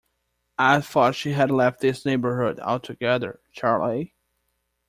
I thought she had left this neighbourhood altogether, Charley.